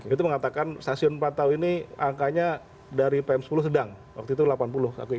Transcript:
itu mengatakan stasiun patau ini angkanya dari pm sepuluh sedang waktu itu delapan puluh